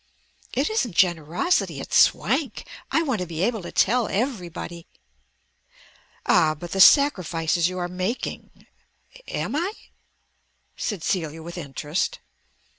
"It isn't generosity, it's swank. I want to be able to tell everybody." "Ah, but the sacrifices you are making." "Am I?" said Celia, with interest.